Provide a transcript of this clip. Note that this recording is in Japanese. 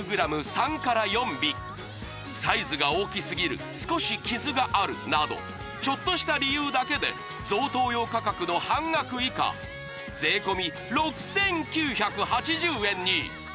３４尾サイズが大きすぎる少し傷があるなどちょっとした理由だけで贈答用価格の半額以下税込６９８０円に！